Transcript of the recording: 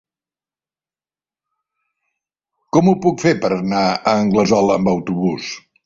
Com ho puc fer per anar a Anglesola amb autobús?